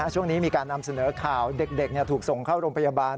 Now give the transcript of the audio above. ช่วงนี้มีการนำเสนอข่าวเด็กถูกส่งเข้าโรงพยาบาล